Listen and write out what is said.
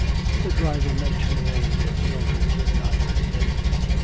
The driver mentioned the name, but Mildred did not heed him.